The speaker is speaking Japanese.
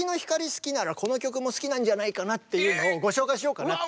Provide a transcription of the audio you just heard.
好きならこの曲も好きなんじゃないかなっていうのをご紹介しようかなって。